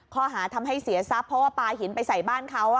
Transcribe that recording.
ข้อหาทำให้เสียทรัพย์เพราะว่าปลาหินไปใส่บ้านเขา